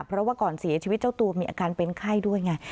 เพราะว่าก่อนเสียชีวิตเจ้าตัวมีอาการเป็นไข้ด้วยไง